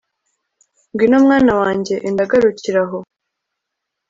ngwino mwana wanjye, enda garukira aho